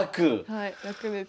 はい楽です。